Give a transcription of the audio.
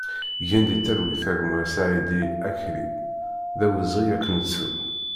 Gen di talwit a gma Saïdi Akli, d awezɣi ad k-nettu!